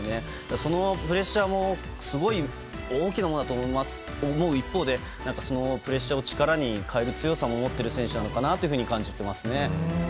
そのプレッシャーもすごい大きなものだと思う一方でプレッシャーを力に変える力を持っている選手なのかなと感じていますね。